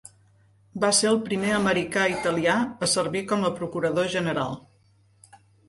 Va ser el primer americà italià a servir com a procurador general.